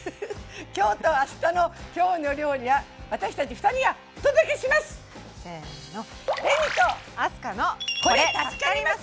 きょうとあしたの「きょうの料理」は私たち２人がお届けします！せの！